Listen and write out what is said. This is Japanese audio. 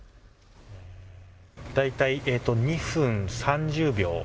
大体２分３０秒。